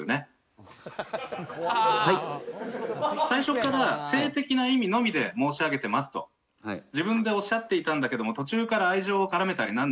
最初から「性的な意味のみで申し上げてます」と自分でおっしゃっていたんだけども途中から愛情を絡めたり